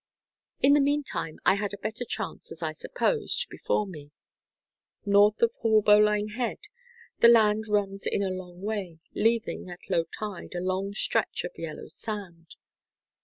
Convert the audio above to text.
In the meantime I had a better chance, as I supposed, before me. North of Haulbowline Head, the land runs in a long way, leaving, at low tide, a long stretch of yellow sand.